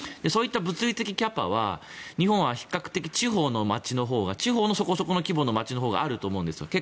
そういった物理的キャパは日本は比較的、地方のほうが地方のそこそこの町の規模のほうがあると思うんです。